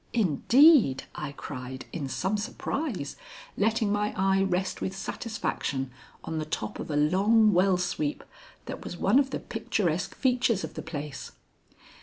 "Indeed!" I cried in some surprise, letting my eye rest with satisfaction on the top of a long well sweep that was one of the picturesque features of the place.